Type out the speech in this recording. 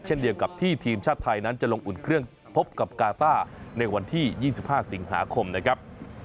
เช่นเดียวกับที่ทีมชาติไทยนั้นจะลงอุ่นเครื่องพบกับกาต้าในวันที่๒๕สิงหาคมนะครับ